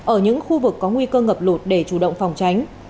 ở những khu vực có nguy cơ ngập lụt để chủ động phòng tránh